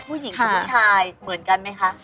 ผู้ชายเหมือนกันไหมคะ